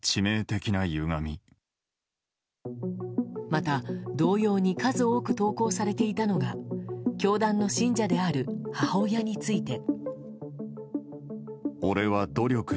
また、同様に数多く投稿されていたのが教団の信者である母親について。